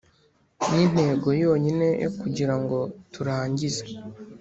nintego yonyine yo kugira ngo turangize